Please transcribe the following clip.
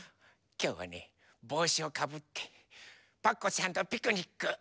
きょうはねぼうしをかぶってパクこさんとピクニック。